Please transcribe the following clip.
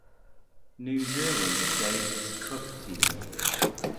New Zealand Davis Cup team